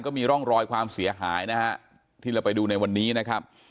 มีร่องรอยความเสียหายนะฮะที่เราไปดูในวันนี้นะครับ